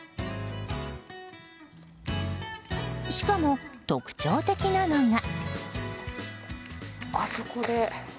しかも、特徴的なのが。